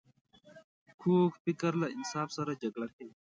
کوږ فکر له انصاف سره جګړه کوي